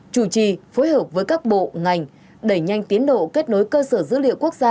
chủ trì phối hợp với các bộ ngành đẩy nhanh tiến độ kết nối cơ sở dữ liệu quốc gia